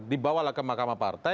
dibawalah ke mahkamah partai